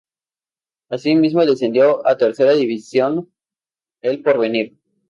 Asimismo descendió a Tercera División El Porvenir.